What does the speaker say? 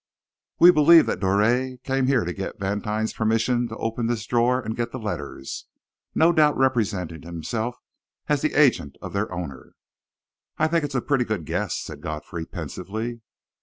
"We believe that Drouet came here to get Vantine's permission to open this drawer and get the letters, no doubt representing himself as the agent of their owner." "I think it's a pretty good guess," said Godfrey, pensively.